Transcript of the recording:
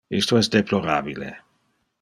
Isto es deplorabile.